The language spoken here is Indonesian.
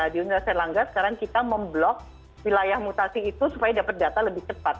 di universitas erlangga sekarang kita memblok wilayah mutasi itu supaya dapat data lebih cepat